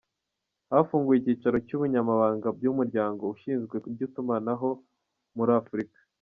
Hafunguwe icyicaro cy’ubunyamabanga bw’Umuryango ushinzwe iby’itumanaho Muri Afurika